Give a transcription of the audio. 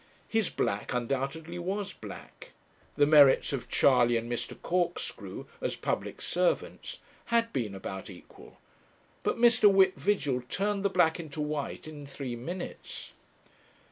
His black undoubtedly was black; the merits of Charley and Mr. Corkscrew, as public servants, had been about equal; but Mr. Whip Vigil turned the black into white in three minutes.